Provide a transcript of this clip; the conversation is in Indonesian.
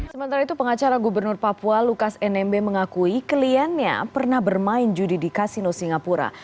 sementara itu pengacara gubernur papua lukas nmb mengakui kliennya pernah bermain judi di kasino singapura